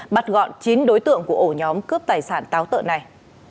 bắt gọn chín đối tượng của ổ nhóm cướp tài sản táo tợn này